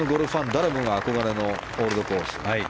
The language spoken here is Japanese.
誰もが憧れのオールドコース。